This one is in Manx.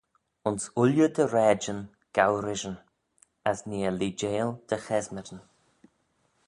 Ayns ooilley dty raaidyn gow rishyn, as nee eh leeideil dty chesmadyn.